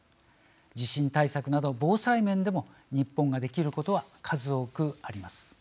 地震対策など、防災面でも日本ができることは数多くあります。